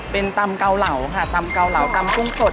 เป็นตำเกาเหลาค่ะตำเกาเหลาตำกุ้งสด